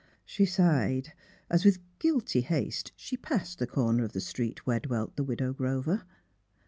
She sighed, as with guilty haste she passed the corner of the street where dwelt the Widow Grover.